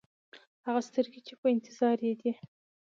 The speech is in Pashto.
هغه سترګې چې په انتظار یې دی.